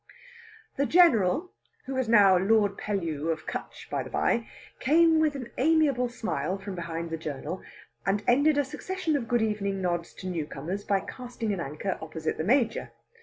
The General (who is now Lord Pellew of Cutch, by the bye) came with an amiable smile from behind the journal, and ended a succession of good evening nods to newcomers by casting an anchor opposite the Major.